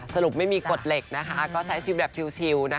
สรุปไม่มีกดเหล็กนะคะก็ไซส์ชิมแบบชิวนะคะ